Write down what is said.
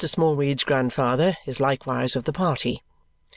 Smallweed's grandfather is likewise of the party.